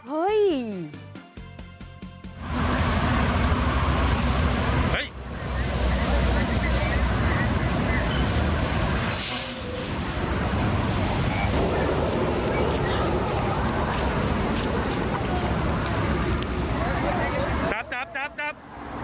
จับจับจับ